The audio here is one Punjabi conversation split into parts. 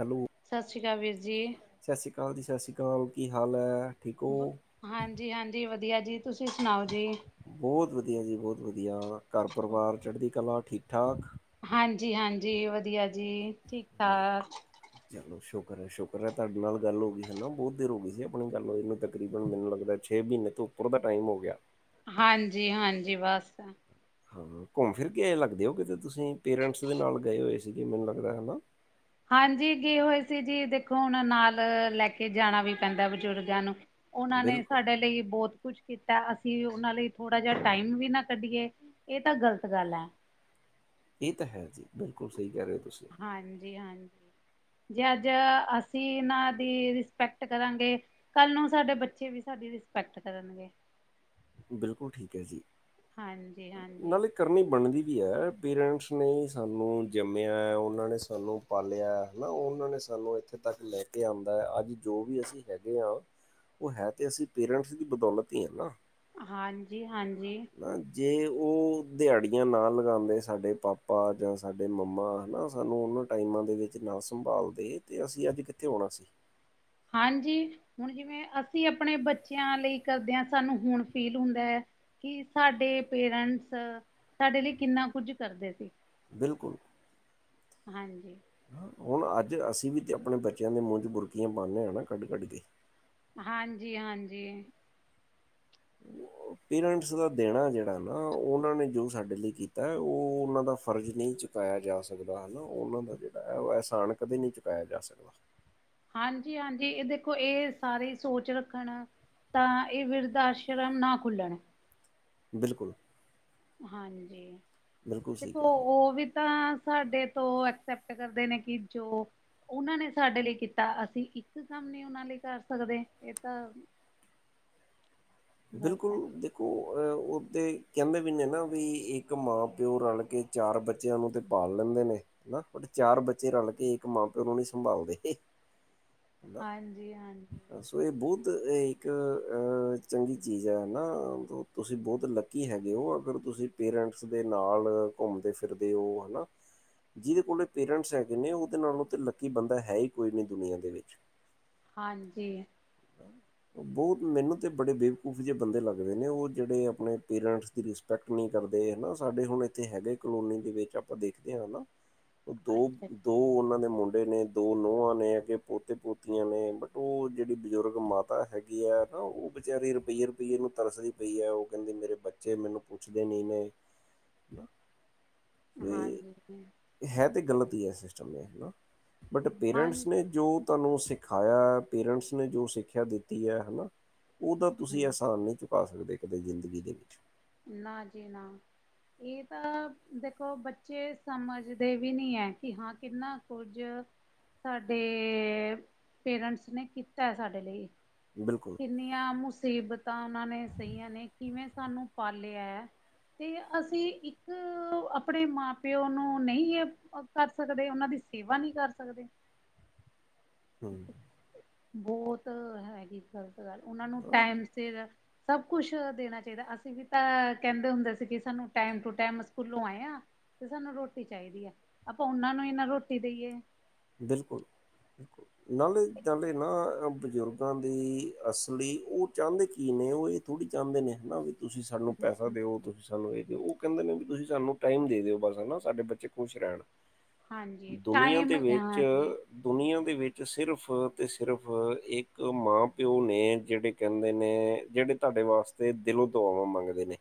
ਹੈਲੋ ਸਤਿ ਸ਼੍ਰੀ ਅਕਾਲ ਵੀਰ ਜੀ। ਸਤਿ ਸ਼੍ਰੀ ਅਕਾਲ ਜੀ ਸਤਿ ਸ਼੍ਰੀ ਅਕਾਲ ਕੀ ਹਾਲ ਹੈ। ਠੀਕ ਹੋ? ਹਾਂਜੀ ਹਾਂਜੀ ਵਧੀਆ ਜੀ ਤੁਸੀਂ ਸੁਣਾਓ ਜੀ। ਬਹੁਤ ਵਧੀਆ ਜੀ ਬਹੁਤ ਵਧੀਆ ਘਰ ਪਰਿਵਾਰ ਚੜ੍ਹਦੀ ਕਲਾ ਠੀਕ ਠਾਕ। ਹਾਂਜੀ ਹਾਂਜੀ ਵਧੀਆ ਜੀ, ਠੀਕ ਠਾਕ ਚਲੋ ਸ਼ੁਕਰ ਹੈ ਸ਼ੁਕਰ ਹੈ ਤੁਹਾਡੇ ਨਾਲ ਗੱਲ ਹੋ ਗਈ ਹੈ ਨਾ ਬਹੁਤ ਦੇਰ ਹੋ ਗਈ ਸੀ ਆਪਣੀ ਗੱਲ ਹੋਈ ਨੂੰ ਤਕਰੀਬਨ ਮੈਨੂੰ ਲੱਗਦਾ। ਛੇ ਮਹੀਨੇ ਤੋਂ ਉੱਪਰ ਦਾ ਟਾਈਮ ਹੋ ਗਿਆ। ਹਾਂਜੀ ਹਾਂਜੀ ਬਸ ਹਾਂ ਘੁੰਮ ਫਿਰ ਕੇ ਇਹਂ ਲੱਗਦੇ ਹੋ ਕਿਤੇ ਤੁਸੀਂ ਪੇਰੈਂਟਸ ਦੇ ਨਾਲ ਗਏ ਹੋਏ ਸੀਗੇ ਮੈਨੂੰ ਲੱਗਦਾ ਹੈ ਨਾ ਹਾਂਜੀ ਗਏ ਹੋਏ ਸੀ ਜੀ, ਦੇਖੋ ਹੁਣ ਨਾਲ ਲੈ ਕੇ ਜਾਣਾ ਵੀ ਪੈਂਦਾ ਬਜ਼ੁਰਗਾਂ ਨੂੰ ਉਹਨਾਂ ਨੇ ਬਿਲਕੁਲ ਸਾਡੇ ਲਈ ਬਹੁਤ ਕੁਛ ਕੀਤਾ, ਅਸੀਂ ਉਹਨਾਂ ਲਈ ਥੋੜ੍ਹਾ ਜਿਹਾ ਟਾਈਮ ਵੀ ਨਾ ਕੱਢੀਏ ਏ ਤਾਂ ਗਲਤ ਗੱਲ ਹੈ। ਇਹ ਤਾਂ ਹੈ ਜੀ ਬਿਲਕੁਲ ਸਹੀ ਕਹਿ ਰਹੇ ਹੋ ਤੁਸੀਂ। ਹਾਂਜੀ ਹਾਂਜੀ ਜੇ ਅੱਜ ਅਸੀਂ ਇਹਨਾਂ ਦੀ ਰਿਸਪੈਕਟ ਕਰਾਂਗੇ ਕੱਲ੍ਹ ਨੂੰ ਸਾਡੇ ਬੱਚੇ ਵੀ ਸਾਡੀ ਰਿਸਪੈਕਟ ਕਰਨਗੇ। ਬਿਲਕੁਲ ਠੀਕ ਹੈ ਜੀ ਹਾਂਜੀ-ਹਾਂਜੀ, ਨਾਲੇ ਇੱਕ ਕਰਨੀ ਬਣਦੀ ਵੀ ਹੈ, ਪੇਰੈਂਟਸ ਸਾਨੂੰ ਜੰਮਿਆ ਉਹਨਾਂ ਨੇ ਸਾਨੂੰ ਪਾਲਿਆ, ਹੈਨਾ ਉਹਨਾਂ ਨੇ ਸਾਨੂੰ ਇੱਥੇ ਤੱਕ ਲੈ ਕੇ ਆਉਂਦਾ ਹੈ ਅੱਜ ਜੋ ਵੀ ਅਸੀਂ ਹੈਗੇ ਹਾਂ। ਉਹ ਹੈ ਤਾਂ ਅਸੀਂ ਪੇਰੈਂਟਸ ਦੀ ਬਦੌਲਤ ਹੀ ਹੈਨਾ ਹਾਂਜੀ ਹਾਂਜੀ। ਜੇ ਉਹ ਦਿਹਾੜੀਆਂ ਨਾ ਲਗਾਉਂਦੇ ਸਾਡੇ ਪਾਪਾ ਜਾਂ ਸਾਡੇ ਮੰਮਾ, ਹੈ ਨਾ ਸਾਨੂੰ ਉਹਨਾਂ ਟਾਈਮਾਂ ਦੇ ਵਿੱਚ ਨਾ ਸੰਭਾਲਦੇ ਤੇ ਅਸੀਂ ਅੱਜ ਕਿੱਥੇ ਹੋਣਾ ਸੀ। ਹਾਂਜੀ ਹੁਣ ਜਿਵੇਂ ਅਸੀਂ ਆਪਣੇ ਬੱਚਿਆਂ ਲਈ ਕਰਦੇ ਆਂ ਸਾਨੂੰ ਹੁਣ ਫੀਲ ਹੁੰਦਾ ਹੈ। ਕਿ ਸਾਡੇ ਪੇਰੈਂਟਸ ਸਾਡੇ ਲਈ ਕਿੰਨਾ ਕੁਝ ਕਰਦੇ ਸੀ। ਬਿਲਕੁਲ ਹਾਂਜੀ। ਹੁਣ ਅੱਜ ਅਸੀਂ ਵੀ ਤਾਂ ਆਪਣੇ ਬੱਚਿਆਂ ਦੇ ਮੂੰਹ 'ਚ ਬੁਰਕੀਆਂ ਪਾਉਂਦੇ ਹਾਂ ਨਾ ਕੱਢ ਕੱਢ ਕੇ ਹਾਂਜੀ ਹਾਂਜੀ [inaudible] ਪੇਰੈਂਟਸ ਦਾ ਦੇਣਾ ਜਿਹੜਾ ਨਾ ਉਹਨਾਂ ਨੇ ਜੋ ਸਾਡੇ ਲਈ ਕੀਤਾ, ਉਹ ਉਹਨਾਂ ਦਾ ਫਰਜ਼ ਨਹੀਂ ਚੁਕਾਇਆ ਜਾ ਸਕਦਾ, ਹਨਾ ਉਹਨਾਂ ਦਾ ਜਿਹੜਾ ਹੈ ਉਹ ਅਹਿਸਾਨ ਕਦੇ ਨਹੀਂ ਚੁਕਾਇਆ ਜਾ ਸਕਦਾ। ਹਾਂਜੀ-ਹਾਂਜੀ, ਇਹ ਦੇਖੋ ਇਹ ਸਾਰੇ ਸੋਚ ਰੱਖਣ ਤਾਂ, ਇਹ ਵਿਰਧ ਆਸ਼ਰਮ ਨਾ ਖੁੱਲਣ। ਬਿਲਕੁਲ। ਹਾਂਜੀ, ਬਿਲਕੁਲ ਸਹੀ ਕਹਿ ਦੇਖੋ ਰਹੇ ਹੋ ਉਹ ਵੀ ਤਾਂ ਸਾਡੇ ਤੋਂ ਐਕਸੈਪਟ ਕਰਦੇ ਨੇ ਕਿ, ਜੋ ਉਹਨਾਂ ਨੇ ਸਾਡੇ ਲਈ ਕੀਤਾ ਅਸੀਂ ਇੱਕ ਕੰਮ ਨੀ ਉਹਨਾਂ ਲਈ ਕਰ ਸਕਦੇ, ਇਹ ਤਾ ਬਿਲਕੁਲ ਹੈ ਹੋਰ ਓ ਤੇ ਕਹਿੰਦੇ ਵੀ ਨੇ ਨਾ ਵੀ, ਇੱਕ ਮਾਂ-ਪਿਓ ਰਲਕੇ ਚਾਰ ਬੱਚੇ ਬੱਚਿਆਂ ਨੂੰ ਤੇ ਪਾਲ ਲੈਂਦੇ ਨੇ, ਹਨਾ ਬ ਚਾਰ ਬੱਚੇ ਰਲਕੇ ਇੱਕ ਮਾਂ-ਪਿਓ ਨੂੰ ਨੀ ਸੰਭਾਲਦੇ‌। [inaudible] ਹਾਂਜੀ-ਹਾਂਜੀ। ਸੋ, ਇਹ ਬਹੁਤ ਏਕ ਅਂ ਚੰਗੀ ਚੀਜ਼ ਐ, ਹਨਾ ਤੁਸੀਂ ਬਹੁਤ ਲੱਕੀ ਹੈਗੇ ਓ, ਅਗਰ ਤੁਸੀਂ ਪੇਰੈਂਟਸ ਦੇ ਨਾਲ ਘੁੰਮਦੇ-ਫਿਰਦੇ ਓ, ਹਨਾ। ਜਿਹਦੇ ਕੋਲ ਪੇਰੈਂਟਸ ਹੈਗੇ ਨੇ ਉਹਦੇ ਨਾਲੋਂ ਤਾਂ ਲੱਕੀ ਬੰਦਾ ਹੈਹੀ ਕੋਈ ਨਹੀਂ, ਦੁਨੀਆਂ ਦੇ ਵਿੱਚ। ਹਾਂਜੀ। ਬਹੁਤ ਮੈਨੂੰ ਤਾਂ ਬੜੇ ਬੇਵਕੂਫ ਜਿਹੇ ਬੰਦੇ ਲੱਗਦੇ ਨੇ, ਉਹ ਜਿਹੜੇ ਆਪਣੇ ਪੇਰੈਂਟਸ ਦੀ ਰਿਸਪੇ ਕਟ ਨਹੀਂ ਕਰਦੇ ਹਨਾ, ਸਾਡੇ ਹੁਣ ਇਥੇ ਹੈਗੇ ਕਲੋਨੀ ਦੇ ਵਿੱਚ ਆਪਾਂ ਦੇਖਦੇ ਆਂ, ਹਨਾ। ਉਹ ਦੋ, ਅੱਛਾ ਦੋ ਉਹਨਾਂ ਦੇ ਮੁੰ ਨੇ, ਦੋ ਨੋਹਾਂ ਨੇ, ਅਗੇ ਪੋਤੇ-ਪੋਤੀਆਂ ਨੇ ਬਟ ਉਹ ਜਿਹੜੀ ਬਜ਼ੁਰਗ ਮਾਤਾ ਹੈਗੀ ਆ, ਨਾ ਉਹ ਵਿਚਾਰੀ ਰੁਪਈਏ-ਰੁਪਈਏ ਨੂੰ ਤਰਸਦੀ ਪਈ ਐ, ਉਹ ਕਹਿੰਦੇ ਮੇਰੇ ਬੱਚੇ ਬੱਚੇ ਮੈਨੂੰ ਪੁੱਛਦੇ ਨੀ ਨੇ। ਵੀ, ਹਾਂਜੀ ਹੈ ਤੇ ਗਲਤ ਈ ਐ ਸਿਸਟਮ, ਦੇਖ ਨਾ ਬਟ ਪੇਰੈਂਟਸ ਹਾਂਜੀ ਨੇ ਜੋ ਤੁਹਾਨੂੰ ਸਿਖਾਇਆ, ਪੇਰੈਂਟਸ ਨੇ ਜੋ ਸਿੱਖਿਆ ਦਿੱਤੀ ਹੈ, ਹਨਾ। ਉਹਦਾ ਤੁਸੀਂ ਹਮ ਅਹਿਸਾਨ ਨਹੀਂ ਚੁਕਾ ਸਕਦੇ ਕਦੇ ਜ਼ਿੰਦਗੀ ਦੇ ਵਿੱਚ। ਨਾ ਜੀ ਨਾ। ਇਹ ਤਾਂ ਦੇਖੋ, ਬੱਚੇ ਸਮਝਦੇ ਵੀ ਨਹੀਂ ਐ, ਕਿ ਹਾਂ ਕਿੰਨਾ ਕੁੱਝ ਸਾਡੇ, ਪੇਰੈਂਟਸ ਨੇ ਕੀਤਾ ਏ ਸਾਡੇ ਲਈ। ਬਿਲਕ ਇੰਨੀਆਂ, ਮੁਸੀਬਤਾਂ ਉਹਨਾਂ ਸਹੀਆਂ ਨੇ, ਕਿਵੇਂ ਸਾਨੂੰ ਪਾਲਿਆ ਐ। ਤੇ, ਅਸੀਂ ਇੱਕ ਆਪਣੇ ਮਾਂ-ਪਿਓ ਨੂੰ ਨਹੀਂ ਕਰ ਸਕਦੇ, ਉਹਨਾਂ ਦੀ ਸੇਵਾ ਨਹੀਂ ਕਰ ਸਕਦੇ। ਹੂੰ। ਬਹੁਤ ਹੈਗੀ ਗ਼ਲਤ ਗੱਲ, ਉਹਨਾਂ ਨੂੰ ਹਾਂ, ਟਾਈਮ ਸਿਰ ਸਭ ਕੁਛ ਦੇਣਾ ਚਾਹੀਦਾ, ਅਸੀਂ ਵੀ ਤਾਂ ਕਹਿੰਦੇ ਹੁੰਦੇ ਸੀ ਕਿ ਸਾਨੂੰ ਟਾਈਮ ਟੂ ਟਾਈਮ ਸਕੂਲੋਂ ਆਏ ਆਂ ਤੇ ਸਾਨੂੰ ਰੋਟੀ ਚਾਹੀਦੀ ਆ, ਆਪਾਂ ਉਹਨਾਂ ਨੂੰ ਈ ਨਾ ਰੋਟੀ ਦੇਈਏ ਬਿਲਕੁਲ। ਨਾਲੇ, ਨਾਲੇ ਨਾ ਬਜ਼ੁਰਗਾਂ ਦੀ ਅਸਲੀ ਉਹ ਚਾੰਹਦੇ ਕੀ ਨੇ, ਉਹ ਇਹ ਥੋੜ੍ਹੀ ਚਾਹੁੰਦੇ ਨੇ ਹਨਾ ਵੀ, ਤੁਸੀਂ ਸਾਨੂੰ ਪੈਸਾ ਦਿਓ, ਤੁਸੀਂ ਗੱਲ ਉਹੀਕੇ ਉਹ ਕਹਿੰਦੇ ਨੇ ਵੀ ਤੁਸੀਂ ਸਾਨੂੰ ਟਾਈਮ ਦੇ ਦਿਓ, ਬਸ ਹਨਾ, ਸਾਡੇ ਬੱਚੇ ਖੁਸ਼ ਰਹਿਣ। ਹਾਂਜੀ ਦੁਨੀਆਂ ਟਾਈਮ ਦੇ ਵਿੱਚ ਹਾਂਜੀ ਦੁਨੀਆਂ ਦੇ ਵਿੱਚ ਸਿਰਫ ਤੇ ਸਿਰਫ ਇੱਕ ਮਾਂ-ਪਿਓ ਨੇ, ਜਿਹੜੇ ਕਹਿੰਦੇ ਨੇ ਜਿਹੜੇ ਤੁਹਾਡੇ ਵਾਸਤੇ ਦਿਲੋਂ ਦੁਆਵਾਂ ਮੰਗਦੇ ਨੇ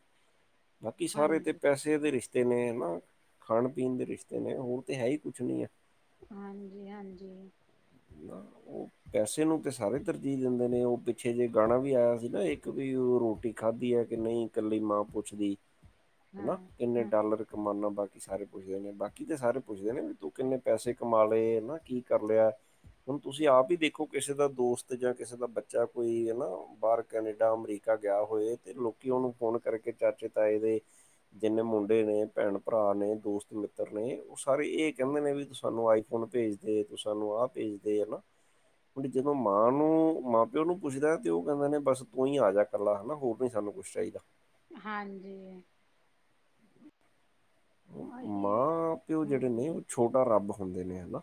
ਬਾਕੀ ਸਾਰੇ ਤੇ ਹਾਂਜੀ ਪੈਸੇ ਪੈਸੇ ਦੇ ਰਿਸ਼ਤੇ ਨੇ ਹਨਾ, ਖਾਣ-ਪੀਣ ਦੇ ਰਿਸ਼ਤੇ ਨੇ ਹੋਰ ਤਾਂ ਹੈ ਹੀ ਕੁਛ ਨੀ ਏ। ਹਾਂਜੀ-ਹਾਂਜੀ। ਨਾ ਉਹ ਪੈਸੇ ਨੂੰ ਤੇ ਸਾਰੇ ਤਰਜੀਹ ਦਿੰਦੇ ਨੇ ਉਹ ਪਿੱਛੇ ਜੇ ਗਾਣਾ ਵੀ ਆਇਆ ਸੀ ਨਾ ਇੱਕ ਵੀ ਉਹ ਰੋਟੀ ਖਾਧੀ ਐ ਕਿ ਨਹੀਂ ਕੱਲੀ ਮਾਂ ਪੁੱਛਦੀ, ਹਾਂ ਹਨਾ ਕਿੰਨੇ ਹਾਂ ਡਾਲਰ ਕਮਾਨਾ ਬਾਕੀ ਸਾਰੇ ਪੁੱਛਦੇ ਨੇ। ਬਾਕੀ ਸਾਰੇ ਪੁੱਛਦੇ ਨੇ ਵੀ ਤੂੰ ਕਿੰਨੇ ਪੈਸੇ ਕਮਾ ਲਏ ਹਨਾ ਕੀ ਕਰ ਲਿਆ। ਹੁਣ ਤੁਸੀਂ ਆਪ ਹੀ ਦੇਖੋ ਕਿਸੇ ਦਾ ਦੋਸਤ ਜਾਂ ਕਿਸੇ ਦਾ ਬੱਚਾ ਕੋਈ ਹਨਾ ਬਾਹਰ ਕੈਨੇਡਾ ਅਮਰੀਕਾ ਗਿਆ ਹੋਏ ਤੇ ਲੋਕੀ ਉਹਨੂੰ ਫੋਨ ਕਰਕੇ ਚਾਚੇ, ਤਾਏ ਦੇ ਜਿੰਨੇ ਮੁੰਡੇ ਹੈਗੇ ਨੇ ਭੈਣ-ਭਰਾ ਨੇ ਦੋਸਤ ਮਿੱਤਰ ਨੇ ਉਹ ਸਾਰੇ ਇਹ ਕਹਿੰਦੇ ਨੇ ਵੀ ਤੂੰ ਸਾਨੂੰ ਆਈਫੋਨ ਭੇਜ ਦੇ ਤੁੂੰ ਸਾਨੂੰ ਆਹ ਭੇਜਦੇ ਹੈ ਨਾ। ਵੀ ਜਦੋਂ ਮਾਂ ਨੂੰ ਮਾਂ-ਪਿਓ ਨੂੰ ਪੁੱਛਦਾ ਤੇ ਉਹ ਕਹਿੰਦੇ ਨੇ ਬਸ ਤੂੰ ਹੀ ਆ ਜਾ। ਇਕੱਲਾ ਹਨਾ ਹੋਰ ਨੀ ਸਾਨੂੰ ਕੁਛ ਚਾਹੀਦਾ। ਹਾਂਜੀ। ਉਹੀ ਮਾਂ-ਪਿਓ ਜਿਹੜੇ ਹਮ ਨੇ ਉਹ ਛੋਟਾ ਰੱਬ ਹੁੰਦੇ ਨੇ ਹਨਾ।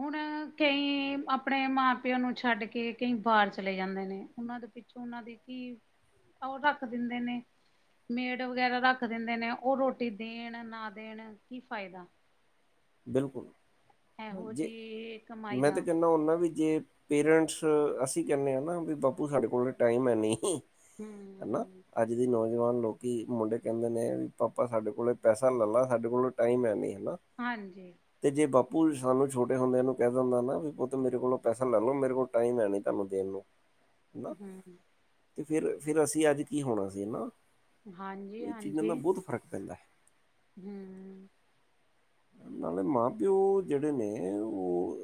ਹੁਣ ਕਈ ਆਪਣੇ ਮਾਂ-ਪਿਓ ਨੂੰ ਛੱਡ ਕੇ ਕਈ ਬਾਹਰ ਚਲੇ ਜਾਂਦੇ ਨੇ, ਉਹਨਾਂ ਦੇ ਪਿੱਛੋਂ ਉਹਨਾਂ ਦੀ ਕੀ, ਉਹ ਰੱਖ ਦਿੰਦੇ ਨੇ ਮੇਡ ਵਗੈਰਾ ਰੱਖ ਦਿੰਦੇ ਨੇ ਉਹ ਰੋਟੀ ਦੇਣ ਨਾ ਦੇਣ ਕੀ ਫਾਇਦਾ। ਬਿਲਕੁਲ, ਹਾਂ ਇਹੋ ਜੇ, ਜਿਹੀ ਕਮਾਈ ਮੈਂ ਤਾਂ ਦਾ ਕਹਿੰਨਾ ਹੁੰਨਾ ਵੀ ਜੇ ਪੇਰੈਂਟਸ ਅਸੀਂ ਕਹਿੰਦੇ ਆ ਨਾ ਵੀ ਬਾਪੂ ਸਾਡੇ ਕੋਲ ਤਾਂ ਟਾਈਮ ਹੈ ਨੀ, ਹਨਾ- ਹਮ ਅੱਜ ਦੀ ਨੌਜਵਾਨ ਲੋਕੀ ਮੁੰਡੇ ਕਹਿੰਦੇ ਨੇ ਵੀ ਪਾਪਾ ਸਾਡੇ ਕੋਲ ਪੈਸਾ ਲੈ ਲਾ ਸਾਡੇ ਕੋਲ ਟਾਈਮ ਹੈ ਨੀ ਹਨਾ। ਹਾਂਜੀ ਤੇ ਜੇ ਬਾਪੂ ਸਾਨੂੰ ਛੋਟੇ ਹੁੰਦਿਆਂ ਨੂੰ ਕਹਿ ਦਿੰਦਾ ਨਾ ਵੀ ਪੁੱਤ ਮੇਰੇ ਕੋਲੋਂ ਪੈਸਾ ਲੈ ਲਓ ਮੇਰੇ ਕੋਲ ਟਾਈਮ ਹੈ ਨਹੀਂ ਤੁਹਾਨੂੰ ਦੇਣ ਨੂੰ। [inaudible] ਹਨਾ ਹਮ [inaudible] ਤੇ ਫਿਰ, ਫਿਰ ਅਸੀਂ ਅੱਜ ਕੀ ਹੋਣਾ ਸੀ ਹਨਾ। ਹਾਂਜੀ ਇਹ ਚੀਜ਼ਾਂ ਦਾ ਬਹੁਤ ਫ਼ਰਕ ਪੈਂਦਾ। ਹੂੰ-ਹੂੰ। ਨਾਲੇ ਮਾਂ-ਪਿਓ ਜਿਹੜੇ ਨੇ ਉਹ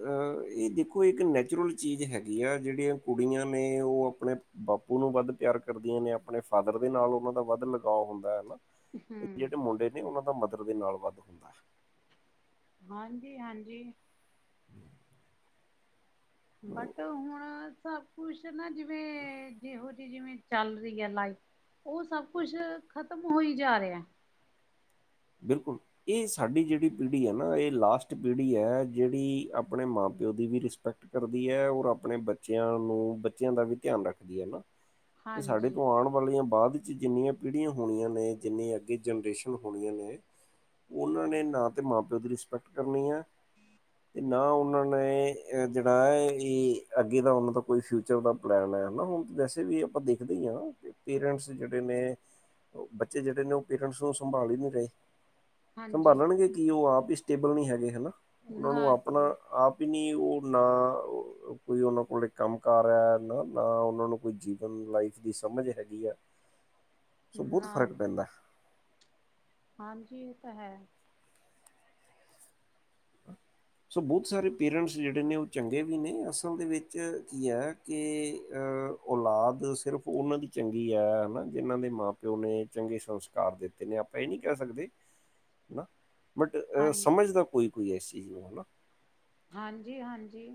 ਇਹ ਇੱਕੋ ਇੱਕ ਨੈਚੁਰਲ ਚੀਜ਼ ਹੈਗੀ ਆ ਜਿਹੜੀਆਂ ਕੁੜੀਆਂ ਨੇ ਉਹ ਆਪਣੇ ਬਾਪੂ ਨੂੰ ਵੱਧ ਪਿਆਰ ਕਰਦੀਆਂ ਨੇ ਆਪ ਆਪਣੇ ਫਾਦਰ ਦੇ ਨਾਲ ਉਹਨਾਂ ਦਾ ਵੱਧ ਲਗਾਓ ਹੁੰਦਾ ਹੈ ਨਾ। ਇਹ ਹਮ ਜਿਹੜੇ ਮੁੰਡੇ ਨੇ ਉਹਨਾਂ ਦਾ ਮਦਰ ਦੇ ਨਾਲ ਵੱਧ ਹੁੰਦਾ। ਹਾਂਜੀ-ਹਾਂਜੀ। ਹੈ ਉਹ ਬਟ ਹੁਣ ਸਭ ਕੁਛ ਨਾ ਜਿਵੇਂ ਜਿਹੋ ਜਿਹੀ ਜਿਵੇਂ ਚੱਲ ਰਹੀ ਆ ਲਾਈਫ ਉਹ ਸਭ ਕੁਛ ਖਤਮ ਹੋਈ ਜਾ ਰਿਹਾ। ਬਿਲਕੁਲ ਇਹ ਸਾਡੀ ਜਿਹੜੀ ਪੀੜ੍ਹੀ ਆ ਨਾ ਇਹ ਲਾਸਟ ਪੀੜ੍ਹੀ ਆ ਜਿਹੜੀ ਆਪਣੇ ਮਾਂ-ਪਿਓ ਦੀ ਵੀ ਰਿਸ ਪੈਕਟ ਕਰਦੀ ਹੈ ਔਰ ਆਪਣੇ ਬੱਚਿਆਂ ਨੂੰ ਬੱਚਿਆਂ ਦਾ ਵੀ ਧਿਆਨ ਰੱਖਦੀ ਏ ਨਾ। ਇਹ ਸਾਡੇ ਹਾਂਜੀ ਤੋਂ ਆਣ ਵਾਲੀਆਂ ਬਾਅਦ ਤੇ ਜਿੰਨੀਆਂ ਪੀੜ੍ਹੀਆਂ ਹੋਣੀਆਂ ਨੇ ਜਿੰਨੀਆ ਅੱਗੇ ਜਨਰੇਸ਼ਨ ਹੋਣੀਆਂ ਨੇ ਉਹਨਾਂ ਨੇ ਨਾ ਤੇ ਮਾਂ ਪਿਓ ਦੀ ਰਿਸਪੈਕਟ ਕਰਨੀ ਆ ਤੇ ਨਾ ਉਹਨਾਂ ਨੇ ਜਿਹੜਾ ਐ ਇਹ ਅੱਗੇ ਦਾ ਉਹਨਾਂ ਦਾ ਕੋਈ ਫਿਊਚ ਫਚਰ ਦਾ ਪਲੈਨ ਐ ਨਾ ਹੁਣ ਵੈਸੇ ਵੀ ਆਪਾਂ ਦੇਖਦੇ ਹੀ ਆ ਪੇਰੈਂਟਸ ਜਿਹੜੇ ਨੇ ਉਹ ਬੱਚੇ ਜਿਹੜੇ ਨੇ ਉਹ ਪੇਰੈਂਟਸ ਨੂੰ ਸੰਭਾਲ ਹੀ ਨੀ ਰਹੇ। ਹਾਂਜੀ ਸੰਭਾਲਣਗੇ ਕੀ ਉਹ ਆਪ ਹੀ ਸਟੇਬਲ ਨਹੀਂ ਹੈਗੇ ਹਨਾ, ਉਹਨਾਂ ਨੂੰ ਨਾ ਆਪਣਾ ਜੀ ਆਪ ਨੀ ਉ ਨਾ ਓ ਨਾ ਕੋਈ ਉਨਾਂ ਕੋਲ ਕੰਮ ਕਾਰ ਐ ਨਾ ਉਨਾਂ ਨੂੰ ਕੋਈ ਜੀਵਨ ਲਾਈਫ ਦੀ ਸਮਝ ਹੈਗੀ ਐ। ਸੋ ਬੋਤ ਨਾ ਫ਼ਰਕ ਜੀ ਪੈੰਦੈ। ਹਾਂਜੀ ਏ ਤਾਂ ਹੈ। ਸੋ ਬੋਤ ਸਾਰੇ ਪੇਰੈਂਟਸ ਜੇੜੇ ਨੇ ਉ ਚੰਗੇ ਵੀ ਨੇ ਅਸਲ ਦੇ ਵਿੱਚ ਕੀ ਆ ਕਿ ਔਲਾਦ ਸਿਰਫ ਉਨਾਂ ਦੀ ਚੰਗੀ ਐ ਹਨਾ ਜਿਨ੍ਹਾਂ ਦੇ ਮਾਂ ਪਿਯੋ ਨੇ ਚੰਗੇ ਸੰਸਕਾਰ ਦਿੱਤੇ ਨੇ ਆਪ ਪਾਂ ਏ ਨੀ ਸਕਦੇ ਹਨਾ। ਬਟ ਹਾਂ ਸਮਝਦਾ ਕੋਈ-ਕੋਈ ਏ ਇਸ ਚੀਜ਼ ਨੂੰ ਹਨਾ। ਹਾਂਜੀ-ਹਾਂਜੀ।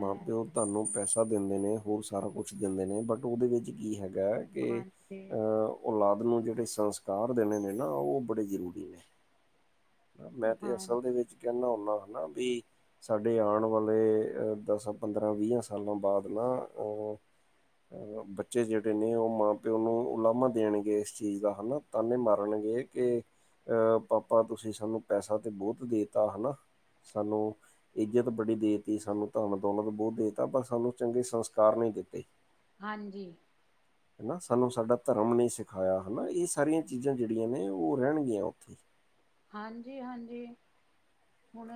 ਮਾਂ-ਪਿਓ ਤੁਹਾਨੂੰ ਪੈਸਾ ਦਿੰਦੇ ਨੇ ਹੋਰ ਸਾਰਾ ਕੁਛ ਦਿੰਦੇ ਨੇ ਬਟ ਉਦੇ ਵਿੱਚ ਕੀ ਹੈਗੈ ਕੇ ਹਾਂਜੀ ਅ ਔਲਾਦ ਨੂੰ ਜੇੜੇ ਸੰਸਕਾਰ ਦੇਣੇ ਨੇ ਨਾ ਉ ਬੜੇ ਜ਼ਰੂਰੀ ਨੇ। ਮੈਂ ਤੇ ਹਾਂ ਅਸਲ ਦੇ ਵਿੱਚ ਕੈਨਾ ਹੁੰਨਾ ਹਨਾ ਵੀ ਸਾਡੇ ਆਨ ਵਾਲੇ ਦਸਾਂ, ਪੰਦਰਾਂ, ਵੀਹਾਂ ਸਾਲਾਂ ਬਾਅਦ ਨਾ ਅਹ ਆ ਬੱਚੇ ਜੇੜੇ ਨੇ ਉ ਮਾਂ-ਪਿਓ ਨੂੰ ਲਾਮਾ ਦੇਣਗੇ ਏਸ ਚੀਜ਼ ਦਾ ਹਨਾ। ਤਾਨੇ ਮਾਰਨਗੇ ਕੇ ਅ ਪਾਪਾ ਤੁਸੀਂ ਸਾਨੂੰ ਪੈਸਾ ਤੇ ਬਹੁਤ ਦੇਤਾ ਹਨਾ। ਸਾਨੂੰ ਇੱਜ਼ਤ ਬੜੀ ਦੇ ਤੀ ਸਾਨੂੰ ਧਨ ਦੌਲਤ ਬਹੁਤ ਦੇਤਾ ਪਰ ਸਾਨੂੰ ਚੰਗੇ ਸੰਸਕਾਰ ਨਈ ਦਿੱਤੇ। ਹਾਂਜੀ। ਹੈਨਾ ਸਾਨੂੰ ਸਾਡਾ ਧਰਮ ਨੇ ਸਿਖਾਇਆ ਹਨਾ। ਏ ਸਾਰੀਆਂ ਚੀਜ਼ਾਂ ਜੇੜੀਆਂ ਨੇ ਉ ਰੈਣਗੀਆਂ ਉੱਥੇ। ਹਾਂਜੀ-ਹਾਂਜੀ ਹੁਣ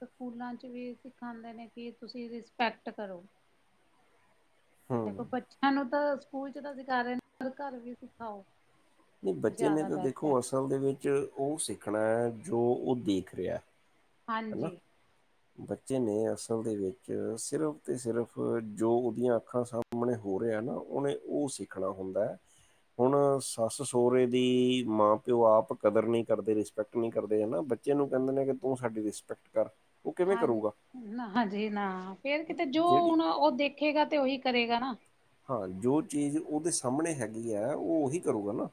ਸਕੂਲਾਂ ਚ ਵੀ ਸਿੱਖ ਖਾਂਦੇ ਨੇ ਕਿ ਤੁਸੀਂ ਰਿਸਪੈਕਟ ਕਰੋ। ਹਮ ਦੇਖੋ ਬੱਚਿਆਂ ਨੂੰ ਤਾਂ ਸਕੂਲ ਚ ਤਾਂ ਸਿਖਾ ਰਏ ਨੇ ਘਰ ਵੀ ਸਿਖਾਓ। ਨਹੀਂ ਬੱਚੇ ਨੇ ਜ਼ਿਆਦਾ ਤਾਂ ਬੈਸਟ ਹੈ ਦੇਖੋ ਅਸਲ ਦੇ ਵਿੱਚ ਉ ਸਿੱਖਣੈ ਐ ਜੋ ਉ ਦੇਖ ਰਿਹਾ। ਹਨਾ ਹਾਂਜੀ। ਬੱਚੇ ਨੇ ਅਸਲ ਦੇ ਵਿੱਚ ਸਿਰਫ ਤੇ ਸਿਰਫ ਜੋ ਉਦੀਆਂ ਅੱਖਾਂ ਸਾਮ ਣੇ ਹੋ ਰਿਆ ਨਾ ਉਨੇ ਉ ਸਿੱਖਣਾ ਹੁੰਦਾ ਐ। ਹੁਣ ਸੱਸ ਸੋਰੇ ਦੀ ਮਾਂ ਪਿਓ ਆਪ ਕਦਰ ਨਈ ਕਰਦੇ ਰਿਸਪੈਕਟ ਨਈ ਕਰਦੇ ਹਨਾ। ਬੱਚੇ ਨੂੰ ਕੈਂਦੇ ਨੇ ਕਿ ਤੂੰ ਸਾਡੀ ਰਿਸਪੈਕਟ ਕਰ ਉਹ ਕਿਵੇਂ ਹਾਂ ਕਰੂਗਾ ਨਾ ਹਾਂਜੀ ਨਾ ਫੇਰ ਕਿਤੇ ਜੋ ਜਿਹੜੀ ਹੁਨ ਉ ਦੇਖੇਗਾ ਤੇ ਉਹੀ ਕਰੇਗਾ ਨਾ। ਹਾਂ ਜੋ ਚੀਜ਼ ਉਦੇ ਸਾਹਮਣੇ ਹੈਗੀ ਆ। ਉ ਉਹੀ ਕਰੇਗਾ ਨਾ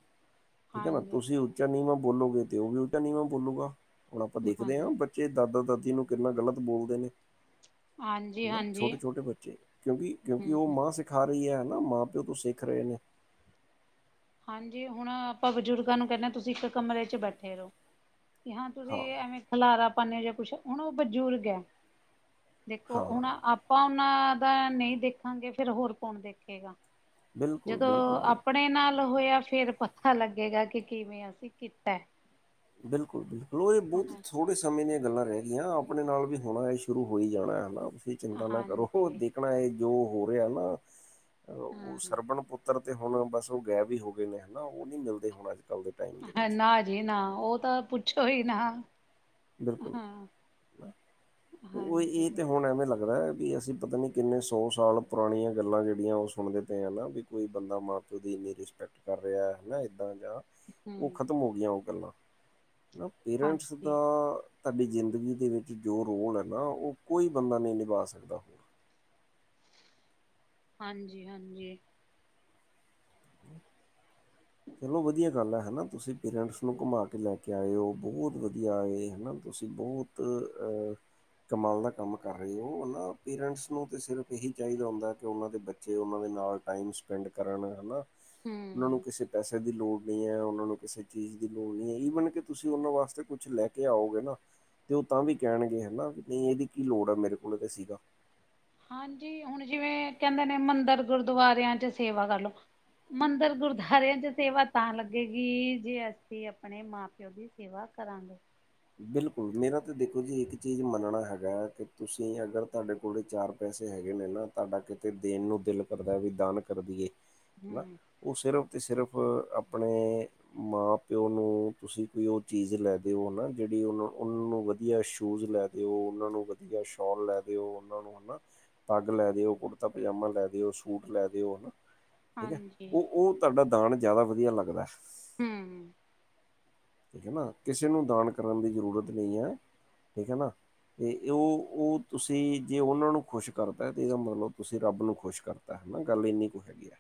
ਠੀਕ ਏ ਨਾ ਹਾਂਜੀ ਤੁਸੀਂ ਉੱਚਾ ਨੀਵਾਂ ਬੋਲੂਗੀ ਤੇ ਉ ਵੀ ਉੱਚਾ ਨੀਵਾਂ ਬੋਲੂਗਾ। ਹੁਣ ਆਪਾਂ ਦੇਖਦੇ ਹਾਂ ਹਾਂਜੀ ਬੱਚੇ ਜੇ ਦਾਦਾ-ਦਾਦੀ ਨੂੰ ਕਿੰਨਾ ਗ਼ਲਤ ਬੋਲਦੇ ਨੇ ਹਾਂਜੀ ਹਨਾ ਹਾਂਜੀ ਛੋਟੇ-ਛੋਟੇ ਬੱਚੇ ਕਿਉਂਕਿ-ਕਿਉਂਕਿ ਹਮ ਉ ਹਮ ਮਾਂ ਸਿੱਖ ਸਿਖਾ ਰਈ ਐ ਨਾ ਮਾਂ ਪਿਓ ਤੋਂ ਸਿੱਖ ਰੇ ਨੇ। ਹਾਂਜੀ ਹੁਣ ਆਪਾਂ ਬਜ਼ੁਰਗਾਂ ਨੂੰ ਕੈਨੇ ਆ, ਤੁਸੀਂ ਇੱਕ ਕਮਰੇ ਚ ਬੈਠੇ ਰਹੋ। ਕਿ ਹਾਂ ਤੁਸੀਂ ਐਵੇਂ ਖਿਲਾਰਾ ਪਾਂਨੇ ਜੇ ਕੁਛ ਹੁਨ ਉ ਬਜ਼ੁਰਗ ਐ ਦੇਖੋ ਹਾਂ ਹੁਣ ਆਪਾਂ ਉਨਾਂ ਦਾ ਨਈ ਦੇਖਾਂਗੇ ਫੇਰ ਹੋਰ ਕੌਣ ਦੇਖੇਗਾ। ਬਿਲਕੁਲ ਜਦੋਂ ਬਿਲਕੁਲ ਬਿਲਕੁਲ ਆਪਣੇ ਨਾਲ ਹੋਇਆ ਫੇਰ ਪਤਾ ਲੱਗੇਗਾ ਕਿ ਕਿਵੇਂ ਅਸੀਂ ਕੀਤੈ। ਬਿਲਕੁਲ-ਬਿਲਕੁਲ ਇਹ ਬਹੁਤ ਥੋੜੇ ਸਮੇਂ ਦੀਆਂ ਗੱਲਾਂ ਰੈ ਗਈਆਂ, ਆਪਣੇ ਨਾਲ ਵੀ ਹੋਣਾ ਏ ਸ਼ੁਰੂ ਹੋ ਈ ਜਾਣਾ ਹਨਾ। ਚਿੰਤਾ ਨਾ ਕਰੋ ਹਾਂਜੀ ਦੇਖਣਾ ਐ ਏ ਜੋ ਹੋ ਰਿਹਾ ਨਾ ਉ ਹਾਂ ਸਰਬਣ ਪੁੱਤ ਪੱਤਰ ਤੇ ਹੁਣ ਬਸ ਉ ਗੈਬ ਈ ਹੋ ਗਏ ਨੇ ਹਨਾ, ਉ ਨੀ ਮਿਲਦੇ ਹੁਣ ਅੱਜ ਕੱਲ੍ਹ ਦੇ ਟਾਈਮ ਦੇ ਵਿੱਚ ਨਾ ਜੀ ਨਾ ਉ ਤਾਂ ਪੁੱਛੋ ਈ ਨਾ ਬਿਲਕੁਲ ਹਾਂ ਉ ਹਾਂਜੀ ਏ ਤਾਂ ਹੁਣ ਐਵੇਂ ਲੱਗਦਾ ਐ ਵੀ ਅਸੀਂ ਪਤਾ ਨੀ ਕਿੰਨੇ ਸੌ ਸਾਲ ਪੁਰਾਣੀਆਂ ਗੱਲਾਂ ਜੇੜੀਆਂ ਓ ਸੁਣਦੇ ਪਏ ਆ ਨਾ ਵੀ ਕੋਈ ਬੰਦਾ ਮਾਂ-ਪਿਓ ਦੀ ਇੰਨੀ ਰਿਸਪੈਕਟ ਕਰ ਰੈਆ ਹੈਨਾ ਏਦਾਂ ਜਾਂ, ਓ ਹਮ ਖਤਮ ਹੋ ਗਈਆਂ ਓ ਗੱਲਾਂ, ਹੈਨਾ ਪੇਰੈਂਟਸ ਹਾਂਜੀ ਤਾਂ ਤਾਡੀ ਜ਼ਿੰਦਗੀ ਦੇ ਵਿੱਚ ਜੋ ਰੋਲ ਐ ਨਾ ਓ ਕੋਈ ਬੰਦਾ ਨਈ ਨਿਭਾ ਸਕਦਾ। ਹਾਂਜੀ-ਹਾਂਜੀ। ਚਲੋ ਵਧੀਆ ਗੱਲ ਹੈਨਾ ਤੁਸੀਂ ਪੇਰੈਂਟਸ ਨੂੰ ਘੁੰਮਾ ਕੇ ਲੈ ਕੇ ਆਏ ਓ ਬੋਤ ਵਧੀਆ ਏ ਹੈਨਾ ਤੁਸੀਂ ਬੋਤ ਤ ਅ ਕਮਾਲ ਦਾ ਕੰਮ ਕਰ ਰਹੇ ਓ। ਹੈਨਾ ਪੇਰੈਂਟਸ ਨੂੰ ਤੇ ਸਿਰਫ ਏਹੀ ਚਾਈਦਾ ਹੁੰਦਾ ਕਿ ਓਨਾਂ ਦੇ ਬੱਚੇ ਕਿ ਓਨਾਂ ਦੇ ਨਾਲ ਟਾਈਮ ਸਪੈਂਡ ਕਰਨ ਹਨਾ। ਓਨਾਂ ਨੂੰ ਹਮ ਕਿਸੇ ਕਿਸੇ ਦੀ ਲੋੜ ਨੀ ਐ ਓਨਾਂ ਨੂੰ ਕਿਸੇ ਚੀਜ਼ ਦੀ ਲੋੜ ਨੀ ਐ ਈਵਨ ਕਿ ਤੁਸੀਂ ਓਨਾਂ ਵਾਸਤੇ ਕੁਛ ਲੈ ਕੇ ਆਓਗੇ ਨਾ ਤੇ ਓ ਤਾਂ ਵੀ ਕਹਿਣਗੇ ਹਨਾ ਵੀ ਨਈ ਏਦੀ ਕੀ ਲੋੜ ਆ ਮੇਰੇ ਕੋਲ ਤਾਂ ਸੀਗਾ। ਹਾਂਜੀ ਹੁਣ ਜਿਵੇਂ ਕੈਂਦੇ ਨੇ ਮੰਦਰ ਗੁਰਦੁਆਰਿਆਂ ਚ ਸੇਵਾ ਕਰ ਲੋ ਮੰਦਰ ਗੁਰਦੁਆਰਿਆਂ ਚ ਸੇਵਾ ਤਾਂ ਲੱਗੇਗੀ। ਜੇ ਅਸੀਂ ਆਪਣੇ ਮਾਂ-ਪਿਓ ਦੀ ਦੀ ਸੇਵਾ ਕਰਾਂਗੇ। ਬਿਲਕੁਲ ਮੇਰਾ ਤਾਂ ਦੇਖੋ ਜੀ ਏਕ ਚੀਜ਼ ਮੰਨਣਾ ਹੈਗਾ ਕਿ ਤੁਸੀਂ ਅਗਰ ਤੁਆਡੇ ਕੋਲੇ ਚਾਰ ਪੈਸੇ ਹੈਗੇ ਨੇ ਨਾ ਤਾਡਾ ਕਿਤੇ ਦੇਣ ਨੂੰ ਦਿਲ ਕਰਦਾ ਵੀ ਦਾਨ ਕਰਦੀਏ ਹਨਾ। ਹਮ ਓ ਸਿਰਫ ਤੇ ਸਿਰਫ ਆਪਣੇ ਮਾਂ-ਪਿਓ ਨੂੰ ਤੁਸੀਂ ਕੋਈ ਓ ਚੀਜ਼ ਲੈ ਦਿਓ ਨਾ ਜੇੜੀ ਓਨ-ਓਨਾਂ ਨੂੰ ਵਧੀਆ ਸ਼ੂਜ਼ ਲੈ ਦਿਓ। ਓਨਾਂ ਨੂੰ ਵਧੀਆ ਸੌ਼ਲ ਲੈ ਦਿਓ। ਓਨਾਂ ਨੂੰ ਓ ਨਾ ਪੱਗ ਲੈ ਦਿਓ, ਕੁੜਤਾ-ਪਜਾਮਾ ਲੈ ਦਿਓ, ਸੂਟ ਲੈ ਦਿਓ ਹਨਾ। ਠੀਕ ਐ ਹਾਂਜੀ ਓਹ-ਓ ਤਾਡਾ ਦਾਨ ਜਾਦਾ ਵਧੀਆ ਲੱਗਦਾ ਹੂੰ। ਠੀਕ ਏ ਨਾ ਕਿਸੇ ਨੂੰ ਦਾਨ ਕਰਨ ਦੀ ਜ਼ਰੂਰਤ ਨਈ ਐ ਠੀਕ ਏ ਨਾ। ਤੇ ਓ-ਓ ਤੁਸੀਂ ਜੇ ਓਨਾਂ ਨੂੰ ਖੁਸ਼ ਕਰਤਾ ਤੇ ਏਦਾ ਮਤਲਬ ਤੁਸੀਂ ਰੱਬ ਨੂੰ ਖੁਸ਼ ਕਰਤਾ। ਤਾਂ ਹੈਨਾ ਗੱਲ ਐਨੀ ਕੁ ਹੈਗੀ ਆ।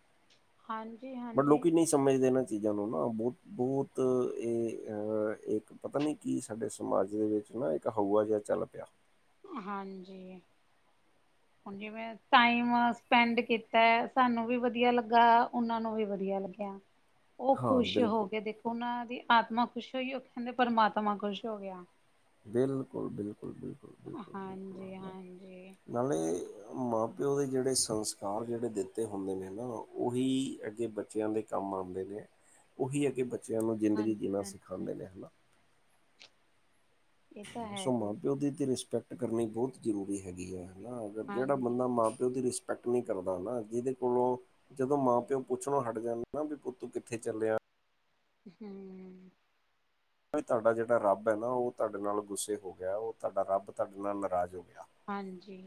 ਹਾਂਜੀ-ਹਾਂਜੀ। ਸਮਝਦੇ ਨਾ ਚੀਜ਼ਾਂ ਨੂੰ ਨਾ ਬੋਤ ਬੋਤ ਏਹ ਅਹ ਏਕ ਪਤਾ ਨੀ ਕੀ ਸਾਡੇ ਸਮਾਜ ਦੇ ਵਿੱਚ ਨਾ ਏਕ ਏਕ ਹਊਆ ਜਿਆ ਚੱਲ ਪਿਆ। ਹਾਂਜੀ। [unintelligible] ਹੁਣ ਜਿਵੇਂ ਟਾਈਮ ਸਪੈਂਡ ਕੀਤਾ ਸਾਨੂੰ ਵੀ ਵਧੀਆ ਲੱਗਾ ਓਨਾਂ ਨੂੰ ਵੀ ਵਧੀਆ ਲੱਗਿਆ। [unintelligible] ਓ ਹਾਂ ਖੁਸ਼ ਹੋ ਬਿਲਕੁਲ ਕੇ ਦੇਖੋ ਓਨਾ ਦੀ ਆਤਮਾ ਖੁਸ਼ ਹੋਈ ਓ ਕੈਂਦੇ ਪਰਮਾਤਮਾ ਖੁਸ਼ ਹੋ ਗਿਆ। ਬਿਲਕੁਲ-ਬਿਲਕੁਲ-ਬਿਲਕੁਲ। ਹਾਂਜੀ-ਹਾਂਜੀ। ਨਾਲੇ ਮਾਂ-ਪਿਓ ਦੇ ਜੇੜੇ ਸੰਸਕਾਰ ਜੇੜੇ ਦਿੱਤੇ ਹੁੰਦੇ ਨੇ ਨਾ ਓਹੀ ਅੱਗੇ ਬ ਬੱਚਿਆਂ ਦੇ ਕੰਮ ਆਂਦੇ ਨੇ, ਓਹੀ ਅੱਗੇ ਬੱਚਿਆਂ ਨੂੰ ਜ਼ਿੰਦਗੀ ਹਾਂਜੀ ਜੀਣਾ ਹਾਂਜੀ। ਸਿਖਾਂਦੇ ਨੇ ਹੈ ਨਾ। ਇਹ ਤਾਂ ਹੈ ਸੋ ਜੀ। ਮਾਂ-ਪਿਓ ਦੀ ਤੇ ਰਿਸਪੈਕਟ ਕਰਨੀ ਬੋਹਤ ਜ਼ਰੂਰੀ ਹੈਗੀ ਐ। ਹੈਨਾ ਅਗਰ ਜੇੜਾ ਹਾਂਜੀ। ਬੰਦਾ ਮਾਂ-ਪਿਓ ਦੀ ਰਿਸਪੈਕਟ ਪੈਕਟ ਨੀ ਕਰਦਾ ਨਾ ਜੇਦੇ ਕੋਲੋਂ ਜਦੋਂ ਮਾਂ-ਪਿਓ ਪੁੱਛਣੋ ਹਟ ਜਾਂਦੇ ਨਾ ਵੀ ਪੁੱਤ ਕਿੱਥੇ ਚੱਲਿਆ। ਹੂੰ। ਵੀ ਤਾਡਾ ਜੇੜਾ ਰੱਬ ਏ ਨਾ ਓ ਤਾਡੇ ਨਾਲ ਗੁੱਸੇ ਹੋ ਗਿਆ ਓ ਤਾਡਾ ਰੱਬ ਤਾਡੇ ਨਾਲ ਨਾਰਾਜ਼ ਹੋ ਗਿਆ। ਹਾਂਜੀ।